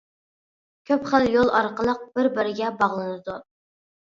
كۆپ خىل يول ئارقىلىق بىر-بىرىگە باغلىنىدۇ.